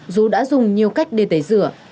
dù đã dùng nhiều cách để tẩy rửa